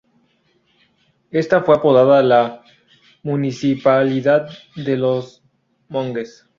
Esta fue apodada la ""Municipalidad de los Monges"".